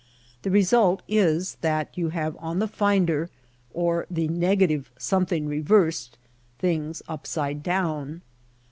^^ The result is that you have on the ^' finder " or the negative something re versed — things upside down.